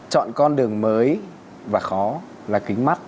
chọn con đường mới và khó là kính mắt